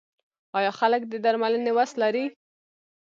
آیا خلک د درملنې وس لري؟